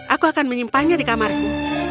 aku akan menyimpannya di kamarku